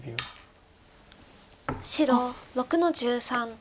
白６の十三ツケ。